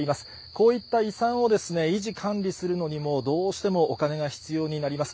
こういった遺産を維持・管理するのにもどうしてもお金が必要になります。